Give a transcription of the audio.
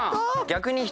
逆に。